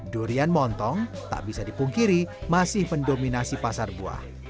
durian montong tak bisa dipungkiri masih mendominasi pasar buah